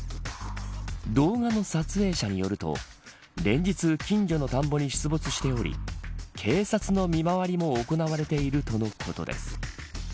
動画の撮影者によると連日近所の田んぼに出没しており警察の見回りも行われているとのことです。